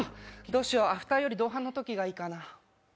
どうしよう、アフターより同伴のときがいいかな。